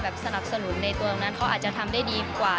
สนับสนุนในตัวตรงนั้นเขาอาจจะทำได้ดีกว่า